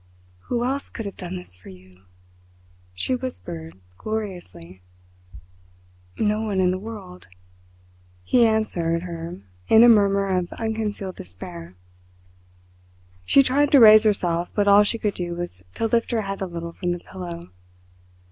"Who else could have done this for you?" she whispered gloriously. "No one in the world," he answered her in a murmur of unconcealed despair. She tried to raise herself, but all she could do was to lift her head a little from the pillow.